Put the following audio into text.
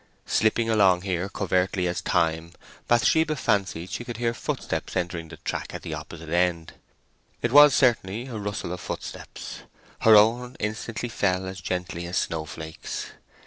Slipping along here covertly as Time, Bathsheba fancied she could hear footsteps entering the track at the opposite end. It was certainly a rustle of footsteps. Her own instantly fell as gently as snowflakes.